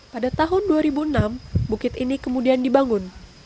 pada tahun dua ribu enam bukit ini kemudian dibangun